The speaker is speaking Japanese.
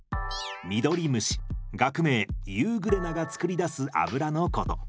ミドリムシ学名ユーグレナが作り出す油のこと。